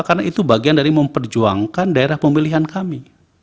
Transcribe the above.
karena itu bagian dari memperjuangkan daerah pemilihan kami